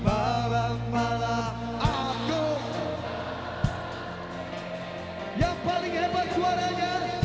salamkan doa juga buat panis